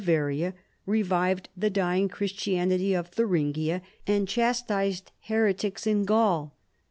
75 varia, revived the dying Christianity of Thuringia, and cliastised heretics in Gaul.